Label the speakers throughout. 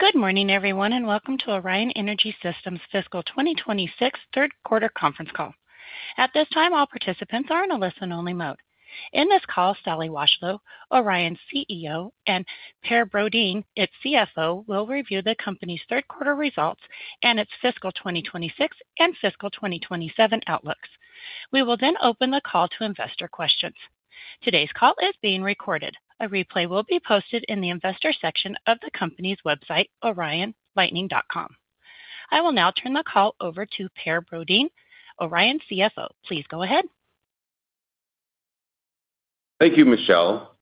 Speaker 1: Good morning, everyone, and welcome to Orion Energy Systems' Fiscal 2026 Third-Quarter Conference Call. At this time, all participants are in a listen-only mode. In this call, Sally Washlow, Orion's CEO, and Per Brodin, its CFO, will review the company's third-quarter results and its fiscal 2026 and fiscal 2027 outlooks. We will then open the call to investor questions. Today's call is being recorded. A replay will be posted in the investor section of the company's website, orionlighting.com. I will now turn the call over to Per Brodin, Orion's CFO. Please go ahead.
Speaker 2: Thank you, Michelle.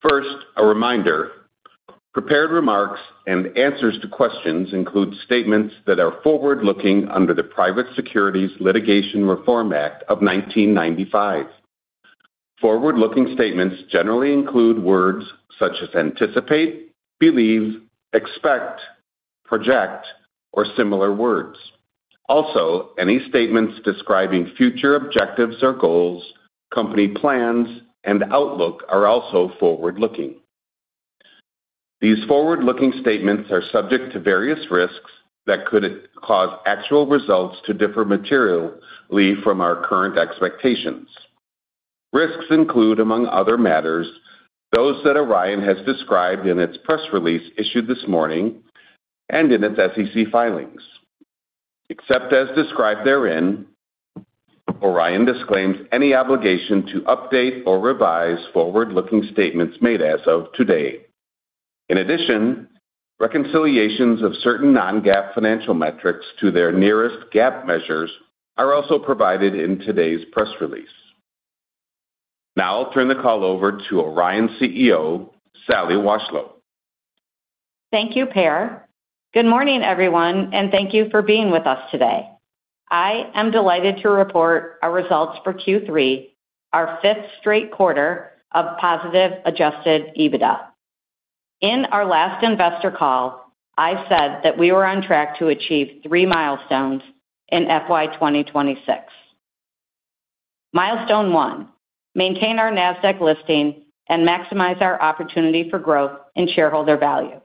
Speaker 2: First, a reminder: prepared remarks and answers to questions include statements that are forward-looking under the Private Securities Litigation Reform Act of 1995. Forward-looking statements generally include words such as anticipate, believe, expect, project, or similar words. Also, any statements describing future objectives or goals, company plans, and outlook are also forward-looking. These forward-looking statements are subject to various risks that could cause actual results to differ materially from our current expectations. Risks include, among other matters, those that Orion has described in its press release issued this morning and in its SEC filings. Except as described therein, Orion disclaims any obligation to update or revise forward-looking statements made as of today. In addition, reconciliations of certain non-GAAP financial metrics to their nearest GAAP measures are also provided in today's press release. Now I'll turn the call over to Orion CEO, Sally Washlow.
Speaker 3: Thank you, Per. Good morning, everyone, and thank you for being with us today. I am delighted to report our results for Q3, our fifth straight quarter of positive Adjusted EBITDA. In our last investor call, I said that we were on track to achieve 3 milestones in FY 2026. Milestone one: maintain our NASDAQ listing and maximize our opportunity for growth in shareholder value.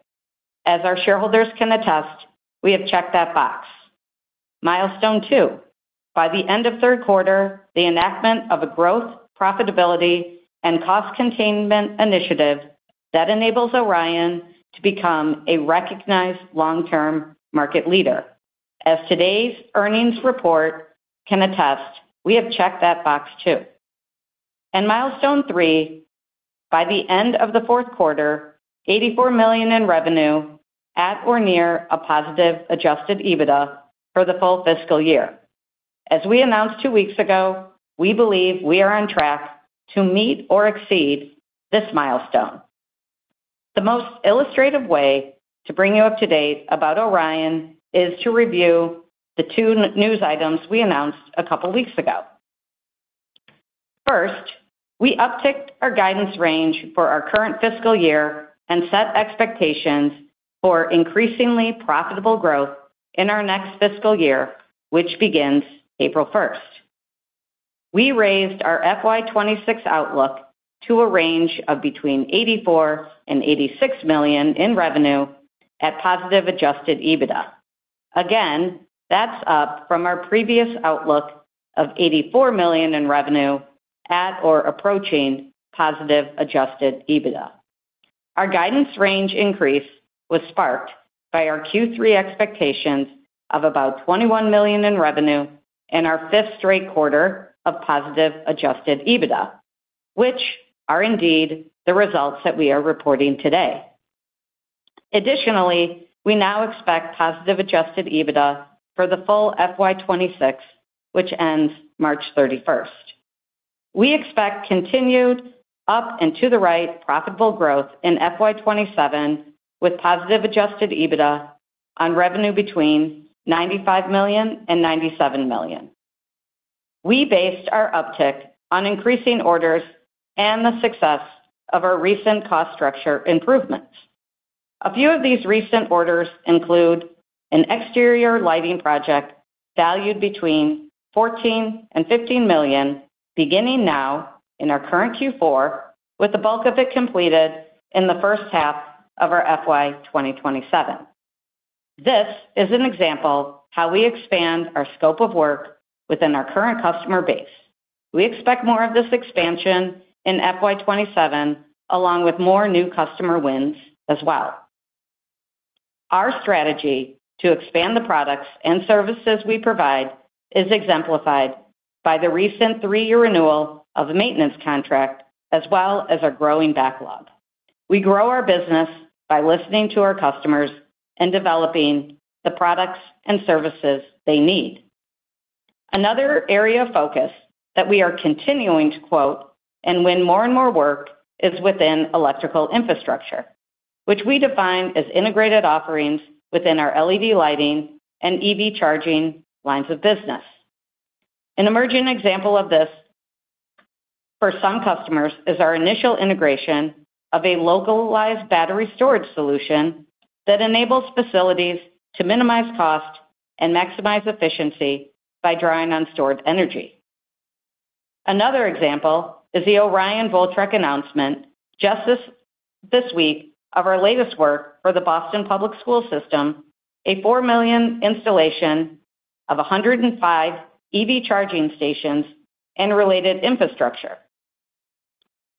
Speaker 3: As our shareholders can attest, we have checked that box. Milestone two: by the end of third quarter, the enactment of a growth, profitability, and cost containment initiative that enables Orion to become a recognized long-term market leader. As today's earnings report can attest, we have checked that box too. Milestone three: by the end of the fourth quarter, $84 million in revenue at or near a positive Adjusted EBITDA for the full fiscal year. As we announced two weeks ago, we believe we are on track to meet or exceed this milestone. The most illustrative way to bring you up to date about Orion is to review the two news items we announced a couple of weeks ago. First, we upticked our guidance range for our current fiscal year and set expectations for increasingly profitable growth in our next fiscal year, which begins April 1st. We raised our FY 2026 outlook to a range of between $84 million and $86 million in revenue at positive Adjusted EBITDA. Again, that's up from our previous outlook of $84 million in revenue at or approaching positive Adjusted EBITDA. Our guidance range increase was sparked by our Q3 expectations of about $21 million in revenue and our fifth straight quarter of positive Adjusted EBITDA, which are indeed the results that we are reporting today. Additionally, we now expect positive adjusted EBITDA for the full FY 2026, which ends March 31st. We expect continued up and to the right profitable growth in FY 2027 with positive adjusted EBITDA on revenue between $95 million-$97 million. We based our uptick on increasing orders and the success of our recent cost structure improvements. A few of these recent orders include an exterior lighting project valued between $14 million-$15 million, beginning now in our current Q4, with the bulk of it completed in the first half of our FY 2027. This is an example of how we expand our scope of work within our current customer base. We expect more of this expansion in FY 2027, along with more new customer wins as well. Our strategy to expand the products and services we provide is exemplified by the recent three-year renewal of the maintenance contract, as well as our growing backlog. We grow our business by listening to our customers and developing the products and services they need. Another area of focus that we are continuing to quote and win more and more work is within electrical infrastructure, which we define as integrated offerings within our LED lighting and EV charging lines of business. An emerging example of this for some customers is our initial integration of a localized battery storage solution that enables facilities to minimize cost and maximize efficiency by drawing on stored energy. Another example is the Orion Voltrek announcement just this week of our latest work for the Boston Public Schools, a $4 million installation of 105 EV charging stations and related infrastructure.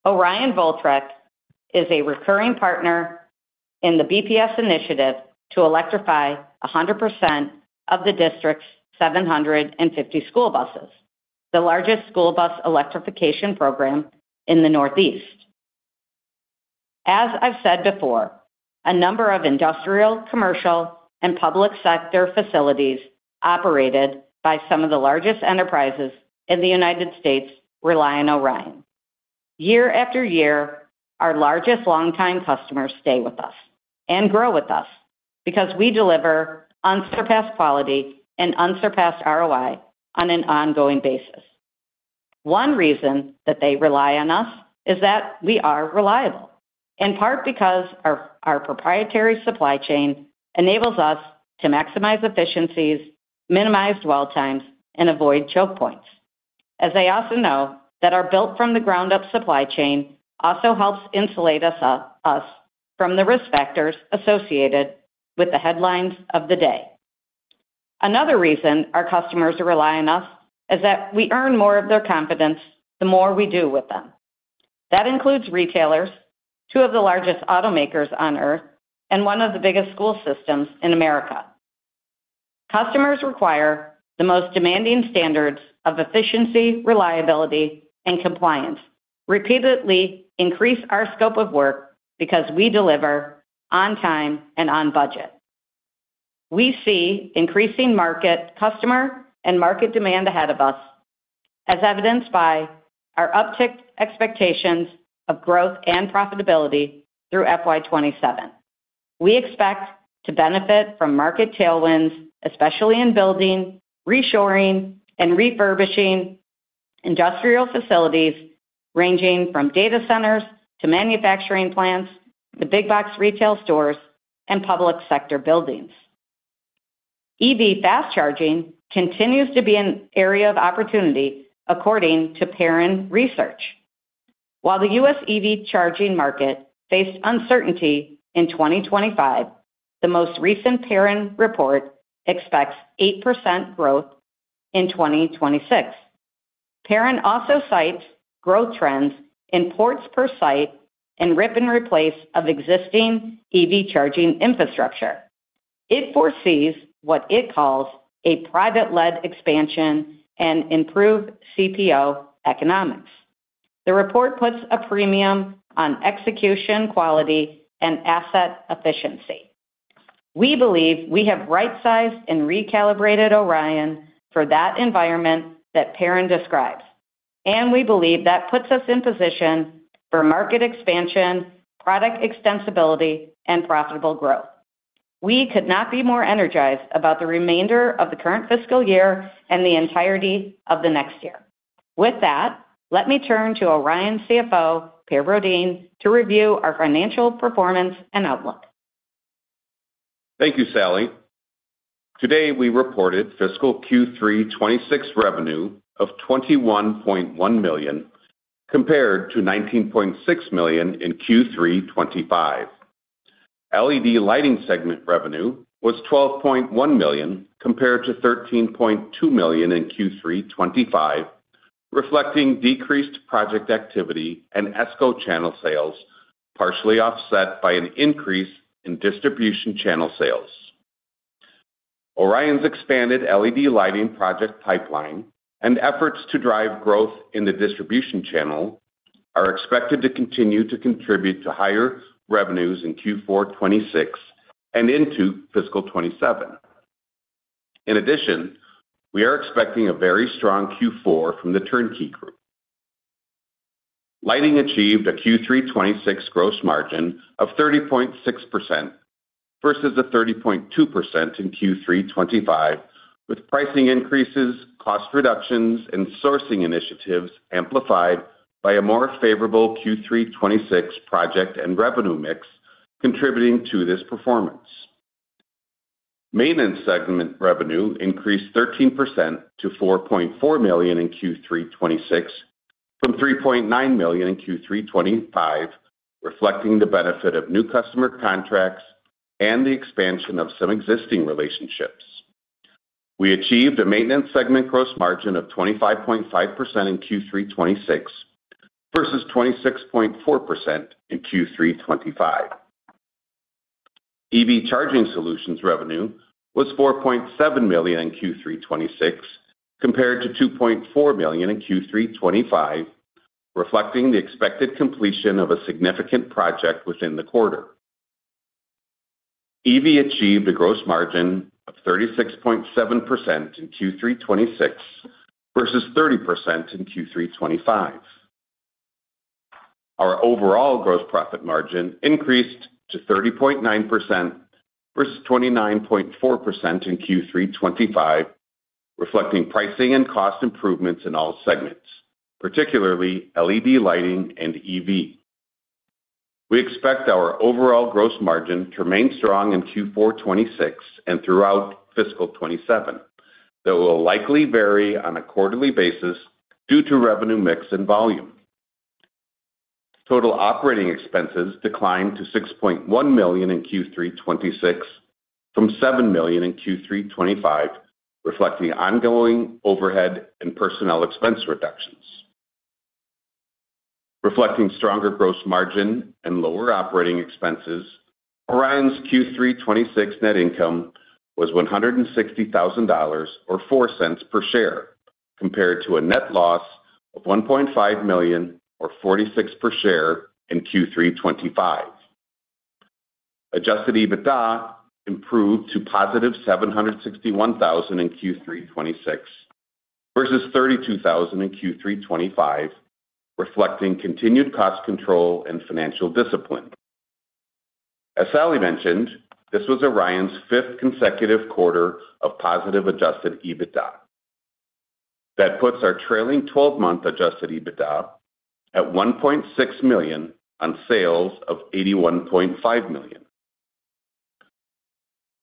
Speaker 3: Orion Voltrek is a recurring partner in the BPS initiative to electrify 100% of the district's 750 school buses, the largest school bus electrification program in the Northeast. As I've said before, a number of industrial, commercial, and public sector facilities operated by some of the largest enterprises in the United States rely on Orion. Year after year, our largest long-time customers stay with us and grow with us because we deliver unsurpassed quality and unsurpassed ROI on an ongoing basis. One reason that they rely on us is that we are reliable, in part because our proprietary supply chain enables us to maximize efficiencies, minimize dwell times, and avoid choke points. As they also know, that our built-from-the-ground-up supply chain also helps insulate us from the risk factors associated with the headlines of the day. Another reason our customers rely on us is that we earn more of their confidence the more we do with them. That includes retailers, two of the largest automakers on Earth, and one of the biggest school systems in America. Customers require the most demanding standards of efficiency, reliability, and compliance, repeatedly increase our scope of work because we deliver on time and on budget. We see increasing market customer and market demand ahead of us, as evidenced by our uptick expectations of growth and profitability through FY 2027. We expect to benefit from market tailwinds, especially in building, reshoring, and refurbishing industrial facilities ranging from data centers to manufacturing plants to big-box retail stores and public sector buildings. EV fast charging continues to be an area of opportunity, according to Perrin Research. While the U.S. EV charging market faced uncertainty in 2025, the most recent Perrin report expects 8% growth in 2026. Perrin also cites growth trends in ports per site and rip and replace of existing EV charging infrastructure. It foresees what it calls a private-led expansion and improved CPO economics. The report puts a premium on execution quality and asset efficiency. We believe we have right-sized and recalibrated Orion for that environment that Perrin describes, and we believe that puts us in position for market expansion, product extensibility, and profitable growth. We could not be more energized about the remainder of the current fiscal year and the entirety of the next year. With that, let me turn to Orion CFO, Per Brodin, to review our financial performance and outlook.
Speaker 2: Thank you, Sally. Today, we reported fiscal Q3 2026 revenue of $21.1 million compared to $19.6 million in Q3 2025. LED lighting segment revenue was $12.1 million compared to $13.2 million in Q3 2025, reflecting decreased project activity and ESCO channel sales, partially offset by an increase in distribution channel sales. Orion's expanded LED lighting project pipeline and efforts to drive growth in the distribution channel are expected to continue to contribute to higher revenues in Q4 2026 and into fiscal 2027. In addition, we are expecting a very strong Q4 from the Turnkey Group. Lighting achieved a Q3 2026 gross margin of 30.6% versus a 30.2% in Q3 2025, with pricing increases, cost reductions, and sourcing initiatives amplified by a more favorable Q3 2026 project and revenue mix contributing to this performance. Maintenance segment revenue increased 13% to $4.4 million in Q3 2026 from $3.9 million in Q3 2025, reflecting the benefit of new customer contracts and the expansion of some existing relationships. We achieved a maintenance segment gross margin of 25.5% in Q3 2026 versus 26.4% in Q3 2025. EV charging solutions revenue was $4.7 million in Q3 2026 compared to $2.4 million in Q3 2025, reflecting the expected completion of a significant project within the quarter. EV achieved a gross margin of 36.7% in Q3 2026 versus 30% in Q3 2025. Our overall gross profit margin increased to 30.9% versus 29.4% in Q3 2025, reflecting pricing and cost improvements in all segments, particularly LED lighting and EV. We expect our overall gross margin to remain strong in Q4 2026 and throughout fiscal 2027, though it will likely vary on a quarterly basis due to revenue mix and volume. Total operating expenses declined to $6.1 million in Q3 2026 from $7 million in Q3 2025, reflecting ongoing overhead and personnel expense reductions. Reflecting stronger gross margin and lower operating expenses, Orion's Q3 2026 net income was $160,000 or $0.04 per share compared to a net loss of $1.5 million or $0.46 per share in Q3 2025. Adjusted EBITDA improved to positive $761,000 in Q3 2026 versus $32,000 in Q3 2025, reflecting continued cost control and financial discipline. As Sally mentioned, this was Orion's fifth consecutive quarter of positive adjusted EBITDA. That puts our trailing 12-month adjusted EBITDA at $1.6 million on sales of $81.5 million.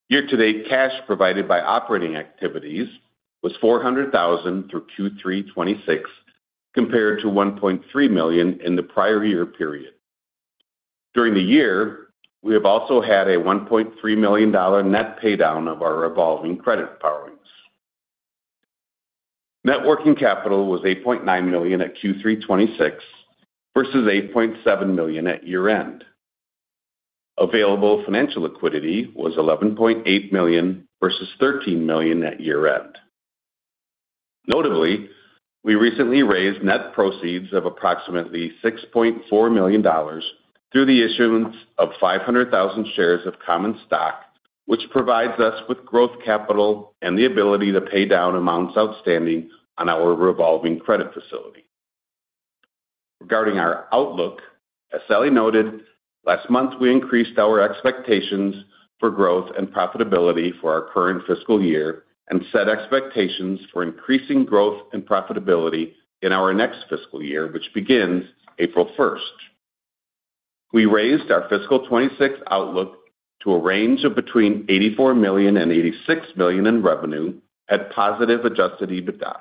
Speaker 2: Year-to-date, cash provided by operating activities was $400,000 through Q3 2026 compared to $1.3 million in the prior year period. During the year, we have also had a $1.3 million net paydown of our revolving credit borrowings. working capital was $8.9 million at Q3 2026 versus $8.7 million at year-end. Available financial liquidity was $11.8 million versus $13 million at year-end. Notably, we recently raised net proceeds of approximately $6.4 million through the issuance of 500,000 shares of common stock, which provides us with growth capital and the ability to pay down amounts outstanding on our revolving credit facility. Regarding our outlook, as Sally noted, last month we increased our expectations for growth and profitability for our current fiscal year and set expectations for increasing growth and profitability in our next fiscal year, which begins April 1st. We raised our fiscal 2026 outlook to a range of between $84 million and $86 million in revenue at positive Adjusted EBITDA.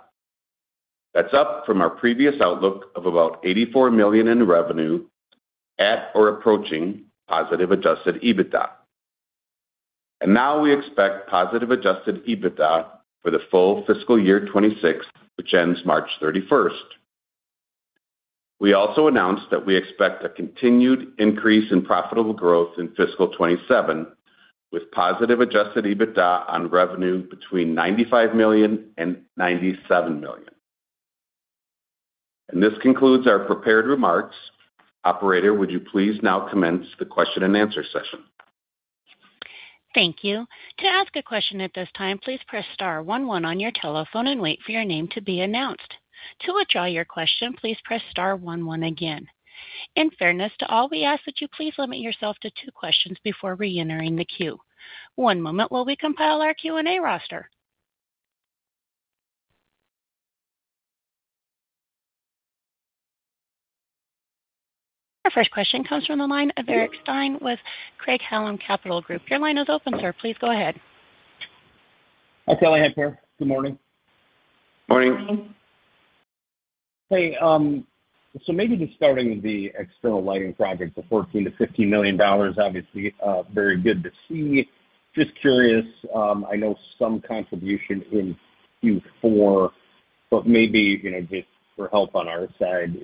Speaker 2: That's up from our previous outlook of about $84 million in revenue at or approaching positive Adjusted EBITDA. Now we expect positive Adjusted EBITDA for the full fiscal 2026, which ends March 31st. We also announced that we expect a continued increase in profitable growth in fiscal 2027 with positive Adjusted EBITDA on revenue between $95 million and $97 million. This concludes our prepared remarks. Operator, would you please now commence the question and answer session?
Speaker 1: Thank you. To ask a question at this time, please press star 11 on your telephone and wait for your name to be announced. To withdraw your question, please press star 11 again. In fairness to all, we ask that you please limit yourself to two questions before reentering the queue. One moment while we compile our Q&A roster. Our first question comes from the line of Eric Stine with Craig-Hallum Capital Group. Your line is open, sir. Please go ahead.
Speaker 4: Hi, Sally. Hi there. Good morning.
Speaker 2: Morning.
Speaker 4: Hey. So maybe just starting with the external lighting project, the $14 million-$15 million, obviously very good to see. Just curious, I know some contribution in Q4, but maybe just for help on our side,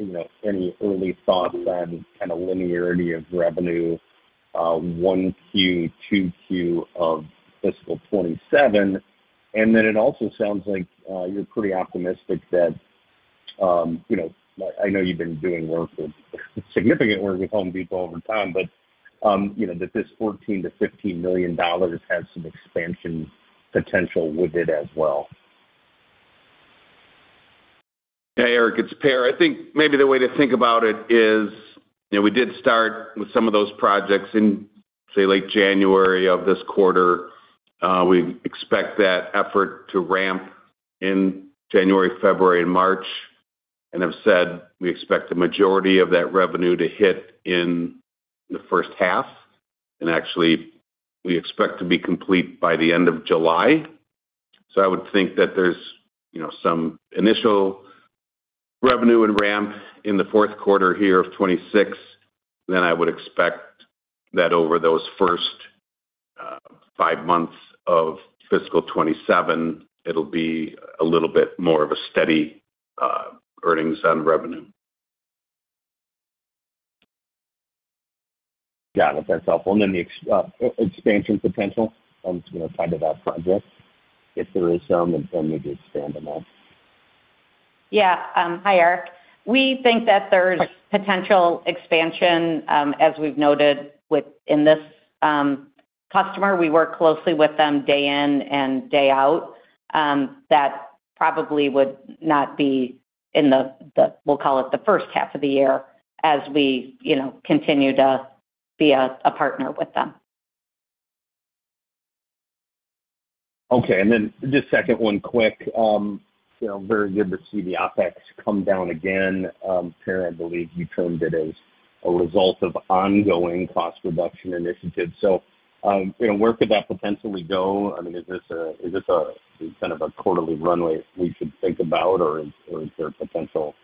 Speaker 4: any early thoughts on kind of linearity of revenue 1Q, 2Q of fiscal 2027. And then it also sounds like you're pretty optimistic that I know you've been doing significant work with Home Depot over time, but that this $14 million-$15 million has some expansion potential with it as well.
Speaker 2: Hey, Eric. It's Per. I think maybe the way to think about it is we did start with some of those projects in, say, late January of this quarter. We expect that effort to ramp in January, February, and March. I've said we expect the majority of that revenue to hit in the first half. Actually, we expect to be complete by the end of July. I would think that there's some initial revenue and ramp in the fourth quarter here of 2026. I would expect that over those first five months of fiscal 2027, it'll be a little bit more of a steady earnings on revenue.
Speaker 4: Yeah. That sounds helpful. And then the expansion potential tied to that project, if there is some, then maybe expand on that.
Speaker 3: Yeah. Hi, Eric. We think that there's potential expansion, as we've noted, within this customer. We work closely with them day in and day out. That probably would not be in the, we'll call it, the first half of the year as we continue to be a partner with them.
Speaker 4: Okay. And then just second one quick. Very good to see the OpEx come down again. Per, I believe you termed it as a result of ongoing cost reduction initiatives. So where could that potentially go? I mean, is this kind of a quarterly runway we should think about, or is there potential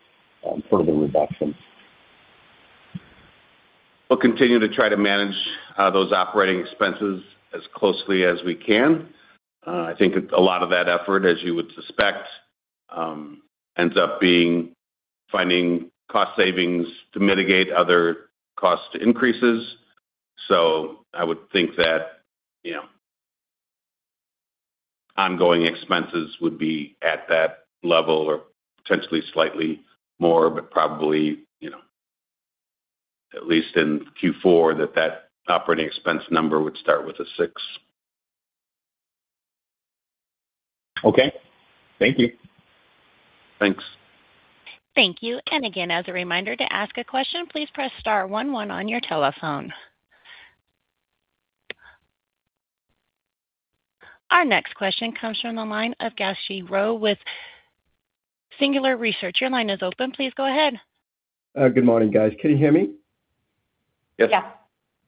Speaker 4: further reductions?
Speaker 2: We'll continue to try to manage those operating expenses as closely as we can. I think a lot of that effort, as you would suspect, ends up being finding cost savings to mitigate other cost increases. So I would think that ongoing expenses would be at that level or potentially slightly more, but probably at least in Q4, that that operating expense number would start with a 6.
Speaker 4: Okay. Thank you.
Speaker 2: Thanks.
Speaker 1: Thank you. And again, as a reminder, to ask a question, please press star 11 on your telephone. Our next question comes from the line of Gowshihan Sriharan with Singular Research. Your line is open. Please go ahead.
Speaker 5: Good morning, guys. Can you hear me?
Speaker 2: Yes.
Speaker 3: Yeah.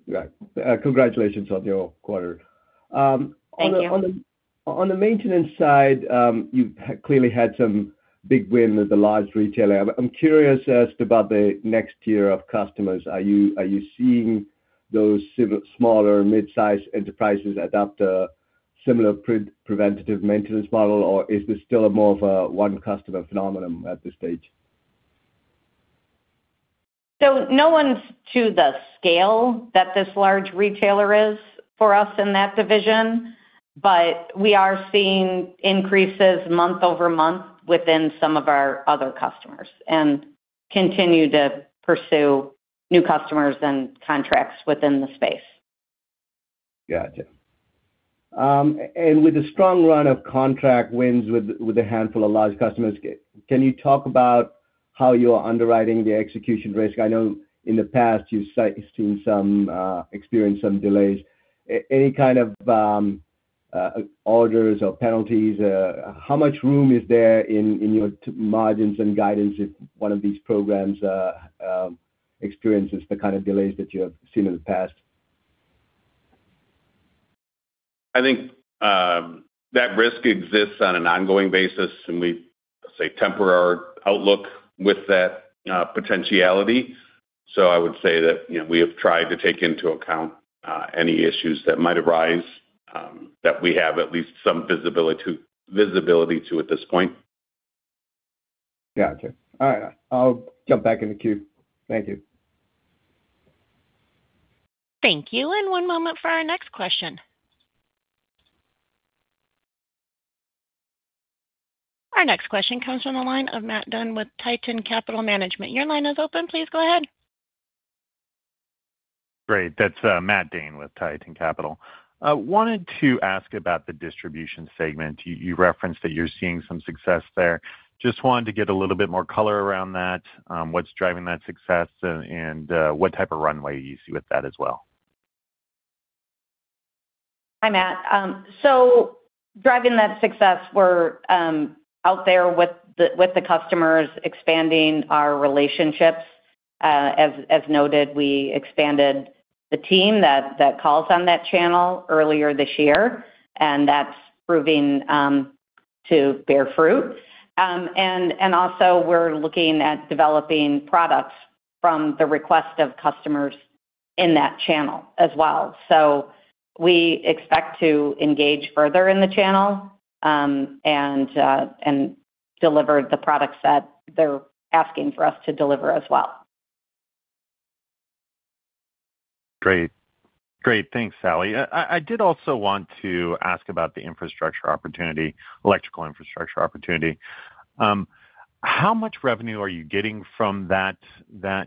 Speaker 5: All right. Congratulations on your quarter.
Speaker 3: Thank you.
Speaker 5: On the maintenance side, you've clearly had some big win with the large retailer. I'm curious just about the next year of customers. Are you seeing those smaller and midsize enterprises adopt a similar preventative maintenance model, or is this still more of a one-customer phenomenon at this stage?
Speaker 3: So no one's to the scale that this large retailer is for us in that division, but we are seeing increases month-over-month within some of our other customers and continue to pursue new customers and contracts within the space.
Speaker 5: Gotcha. And with a strong run of contract wins with a handful of large customers, can you talk about how you're underwriting the execution risk? I know in the past, you've experienced some delays. Any kind of orders or penalties? How much room is there in your margins and guidance if one of these programs experiences the kind of delays that you have seen in the past?
Speaker 2: I think that risk exists on an ongoing basis, and we've, let's say, temporary outlook with that potentiality. So I would say that we have tried to take into account any issues that might arise that we have at least some visibility to at this point.
Speaker 5: Gotcha. All right. I'll jump back in the queue. Thank you.
Speaker 1: Thank you. One moment for our next question. Our next question comes from the line of Matthew Dunn with Hanover Investors Management. Your line is open. Please go ahead.
Speaker 6: Great. That's Matt Dunn with Hanover Investors Management. Wanted to ask about the distribution segment. You referenced that you're seeing some success there. Just wanted to get a little bit more color around that. What's driving that success, and what type of runway you see with that as well?
Speaker 3: Hi, Matt. So driving that success, we're out there with the customers expanding our relationships. As noted, we expanded the team that calls on that channel earlier this year, and that's proving to bear fruit. And also, we're looking at developing products from the request of customers in that channel as well. So we expect to engage further in the channel and deliver the products that they're asking for us to deliver as well.
Speaker 6: Great. Great. Thanks, Sally. I did also want to ask about the electrical infrastructure opportunity. How much revenue are you getting from that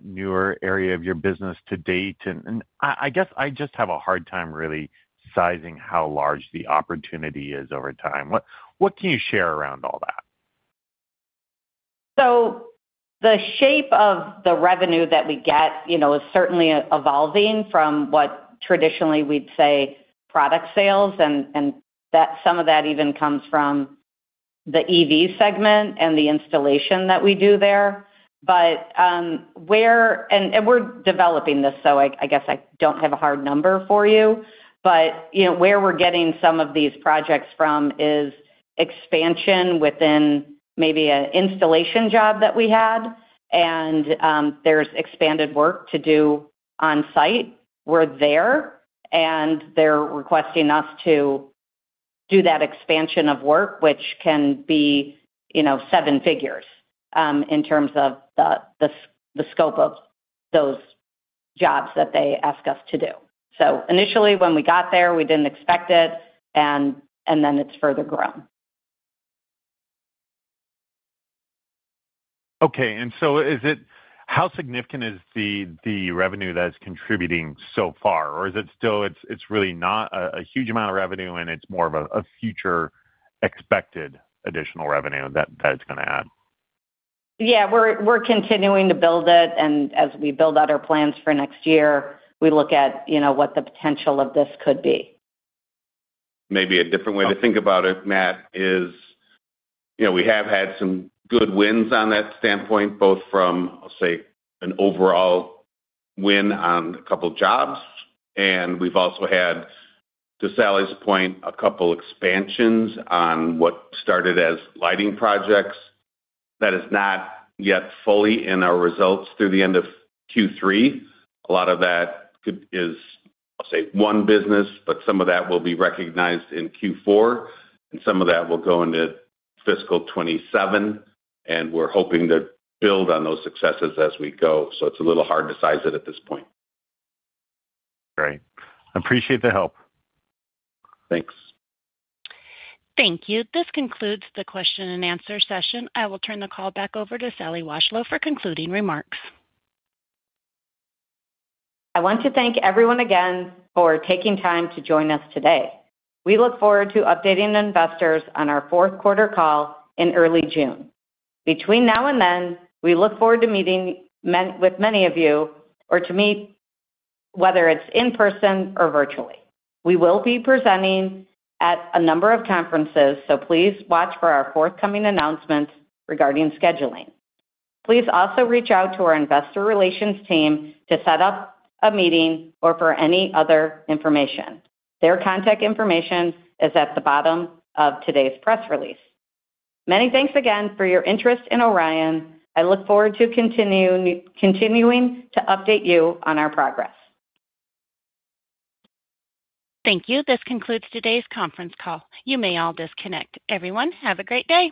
Speaker 6: newer area of your business to date? And I guess I just have a hard time really sizing how large the opportunity is over time. What can you share around all that?
Speaker 3: So the shape of the revenue that we get is certainly evolving from what traditionally we'd say product sales, and some of that even comes from the EV segment and the installation that we do there. And we're developing this, so I guess I don't have a hard number for you. But where we're getting some of these projects from is expansion within maybe an installation job that we had. And there's expanded work to do on-site. We're there, and they're requesting us to do that expansion of work, which can be seven figures in terms of the scope of those jobs that they ask us to do. So initially, when we got there, we didn't expect it, and then it's further grown.
Speaker 6: Okay. And so how significant is the revenue that's contributing so far, or is it still it's really not a huge amount of revenue, and it's more of a future expected additional revenue that it's going to add?
Speaker 3: Yeah. We're continuing to build it. As we build out our plans for next year, we look at what the potential of this could be.
Speaker 2: Maybe a different way to think about it, Matt, is we have had some good wins on that standpoint, both from, let's say, an overall win on a couple of jobs. And we've also had, to Sally's point, a couple of expansions on what started as lighting projects. That is not yet fully in our results through the end of Q3. A lot of that is, I'll say, one business, but some of that will be recognized in Q4, and some of that will go into fiscal 2027. And we're hoping to build on those successes as we go. So it's a little hard to size it at this point.
Speaker 6: Great. I appreciate the help.
Speaker 2: Thanks.
Speaker 1: Thank you. This concludes the question and answer session. I will turn the call back over to Sally Washlow for concluding remarks.
Speaker 3: I want to thank everyone again for taking time to join us today. We look forward to updating investors on our fourth-quarter call in early June. Between now and then, we look forward to meeting with many of you or to meet, whether it's in person or virtually. We will be presenting at a number of conferences, so please watch for our forthcoming announcements regarding scheduling. Please also reach out to our investor relations team to set up a meeting or for any other information. Their contact information is at the bottom of today's press release. Many thanks again for your interest in Orion. I look forward to continuing to update you on our progress.
Speaker 1: Thank you. This concludes today's conference call. You may all disconnect. Everyone, have a great day.